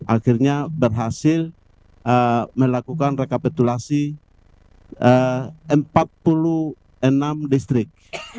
akhirnya berhasil melakukan rekapitulasi empat puluh enam distrik